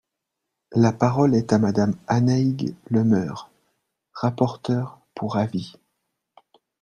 La parole est à Madame Annaïg Le Meur, rapporteure pour avis.